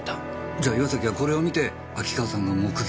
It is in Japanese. じゃ岩崎はこれを見て秋川さんが目撃者だと。